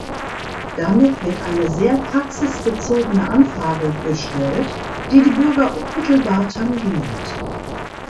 Damit wird eine sehr praxisbezogene Anfrage gestellt, die die Bürger unmittelbar tangiert.